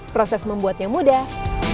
proses membuatnya mudah